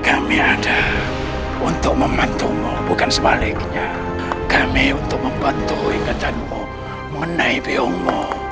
kami ada untuk membantumu bukan sebaliknya kami untuk membantu ingatanmu mengenai biongmu